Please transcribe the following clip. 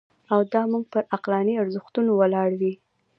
او دا موږ پر عقلاني ارزښتونو ولاړ وي.